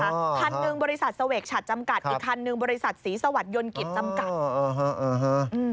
คันหนึ่งบริษัทสเวกชัดจำกัดอีกคันหนึ่งบริษัทศรีสวรรค์ยนต์กิจจำกัด